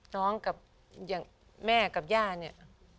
กับอย่างแม่กับย่าเนี่ย